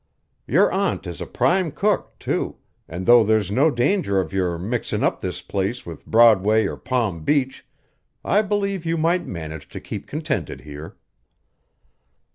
Your aunt is a prime cook, too, an' though there's no danger of your mixin' up this place with Broadway or Palm Beach, I believe you might manage to keep contented here."